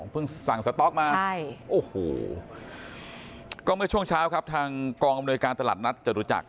สั่งสต๊อกมาใช่โอ้โหก็เมื่อช่วงเช้าครับทางกองอำนวยการตลาดนัดจตุจักร